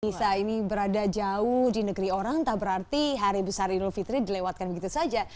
kisah ini berada jauh di negeri orang tak berarti hari besar idul fitri dilewatkan begitu saja